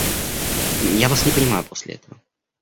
Я вас не понимаю после этого.